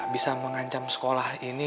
bisa mengancam sekolah ini